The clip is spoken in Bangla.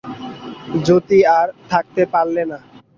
যতী আর থাকতে পারলে না।